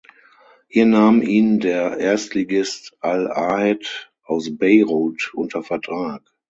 Hier nahm ihn der Erstligist al Ahed aus Beirut unter Vertrag.